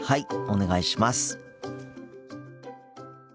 お願いします。